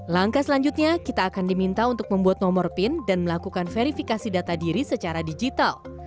langkah selanjutnya kita akan diminta untuk membuat nomor pin dan melakukan verifikasi data diri secara digital